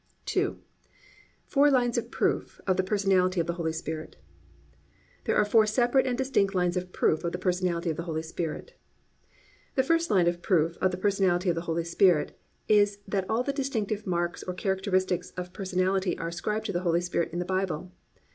II. FOUR LINES OF PROOF OF THE PERSONALITY OF THE HOLY SPIRIT There are four separate and distinct lines of proof of the Personality of the Holy Spirit. 1. The first line of proof of the Personality of the Holy Spirit is that all the distinctive marks or characteristics of personality are ascribed to the Holy Spirit in the Bible.